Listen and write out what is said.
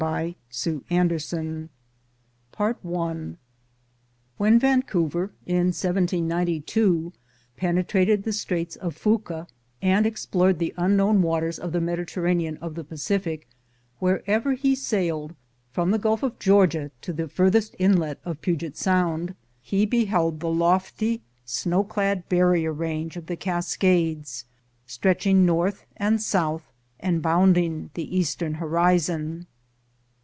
The rocks that were bare in 1870 were under snow and ice in 1905. When Vancouver, in 1792, penetrated the Straits of Fuca and explored the unknown waters of the Mediterranean of^the Pacific, wherever he sailed, from the Gulf of Georgia to the farthest inlet of Puget Sound, he beheld the lofty, snow clad barrier range of the Cascades stretching north and south and bound ing the eastern horizon.